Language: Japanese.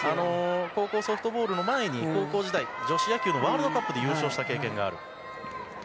ソフトボールの前に、高校時代女子野球のワールドカップで優勝した経験がある。